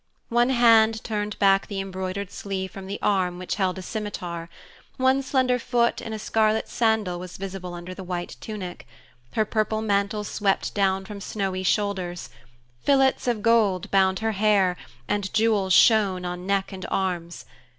One hand turned back the embroidered sleeve from the arm which held a scimitar; one slender foot in a scarlet sandal was visible under the white tunic; her purple mantle swept down from snowy shoulders; fillets of gold bound her hair, and jewels shone on neck and arms.